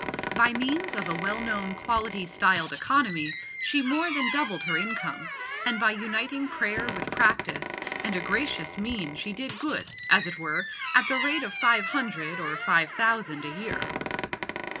By means of a well known quality styled economy, she more than doubled her income, and by uniting prayer with practice and a gracious mien she did good, as it were, at the rate of five hundred, or five thousand, a year.